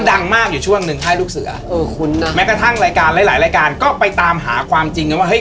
ดังมากอยู่ช่วงหนึ่งค่ายลูกเสือเออคุ้นแม้กระทั่งรายการหลายหลายรายการก็ไปตามหาความจริงกันว่าเฮ